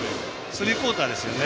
スリークオーターですよね。